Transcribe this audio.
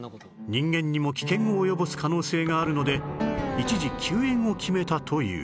人間にも危険を及ぼす可能性があるので一時休園を決めたという